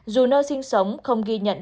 dù nơi sinh sống không ghi nhận